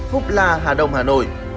phúc la hà đông hà nội